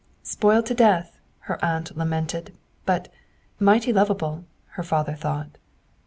" Spoiled to death," her aunt lamented, but " mighty lovable," her father thought.